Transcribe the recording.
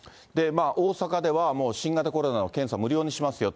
大阪ではもう、新型コロナの検査、無料でしますよと。